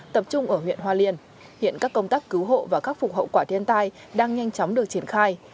tập trung ở huyện hoa liên hiện các công tác cứu hộ và khắc phục hậu quả thiên tai đang nhanh chóng được triển khai